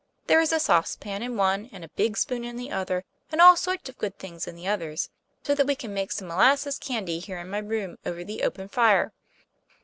There is a saucepan in one, and a big spoon in the other, and all sorts of good things in the others, so that we can make some molasses candy here in my room, over the open fire.